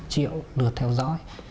ba bảy triệu lượt theo dõi